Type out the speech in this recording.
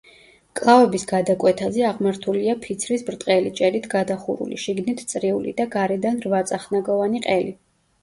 მკლავების გადაკვეთაზე, აღმართულია ფიცრის ბრტყელი ჭერით გადახურული, შიგნით წრიული და გარედან რვაწახნაგოვანი ყელი.